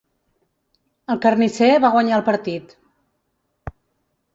El carnisser va guanyar el partit.